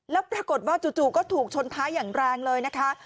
แล้วปรากฏว่าจู่ก็ถูกชนท้ายอย่างแรงเลยนะคะ